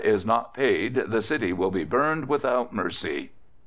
is not paid the city will be burned without mercy_."